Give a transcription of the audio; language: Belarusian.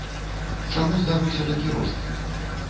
Чаму здарыўся такі рост?